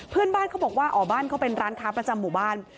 เพื่อนบ้านเขาบอกว่าอ๋อบ้านเขาเป็นร้านค้าประจำหมู่บ้าน